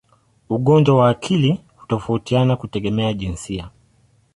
Ugonjwa wa akili hutofautiana kutegemea jinsia.